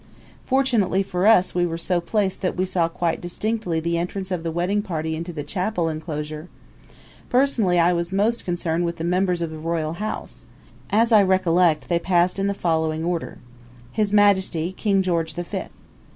Fortunately for us we were so placed that we saw quite distinctly the entrance of the wedding party into the chapel inclosure. Personally I was most concerned with the members of the royal house. As I recollect, they passed in the following order: His Majesty, King George the Fifth.